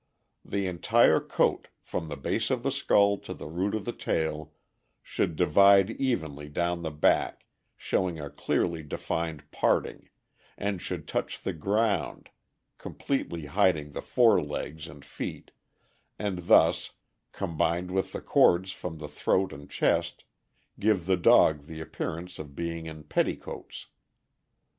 The entire coat, from the base of the skull to the root of the tail, should divide evenly down the back, showing a clearly defined parting, and should touch the ground, com pletely hiding the fore legs and feet, and thus, combined with the cords from the throat and chest, give the dog the appearance of being in petticoats.